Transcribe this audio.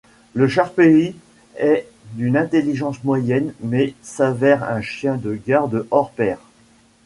Le Shar-peï est d'une intelligence moyenne mais s'avère un chien de garde hors pair.